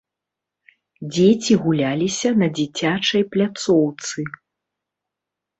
Дзеці гуляліся на дзіцячай пляцоўцы.